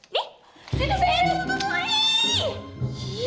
nih di situ saya ada tutup lagi